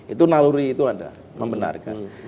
itu naluri itu ada membenarkan